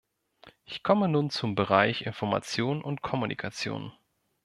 Ich komme nun zum Bereich Information und Kommunikation.